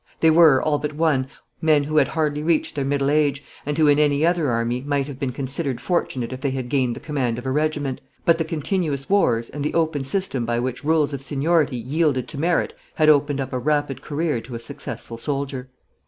They were, all but one, men who had hardly reached their middle age, and who, in any other army, might have been considered fortunate if they had gained the command of a regiment; but the continuous wars and the open system by which rules of seniority yielded to merit had opened up a rapid career to a successful soldier.